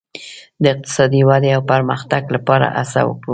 د اقتصادي ودې او پرمختګ لپاره هڅه وکړو.